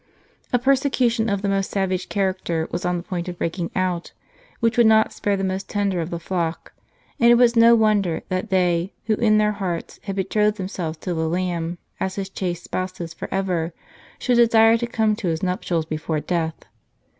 * A persecution of the most savage character was on the point of breaking out, which would not spare the most tender of the flock ; and it was no wonder that they, who in their hearts had betrothed themselves to the Lamb, as His chaste spouses forever, should desire to come to His nuptials before death.